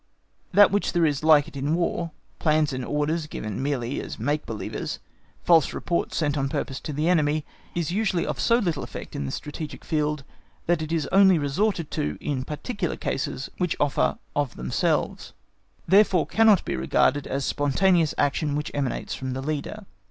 That which there is like it in War, plans and orders given merely as make believers, false reports sent on purpose to the enemy—is usually of so little effect in the strategic field that it is only resorted to in particular cases which offer of themselves, therefore cannot be regarded as spontaneous action which emanates from the leader.